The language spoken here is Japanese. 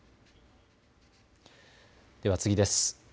では次です。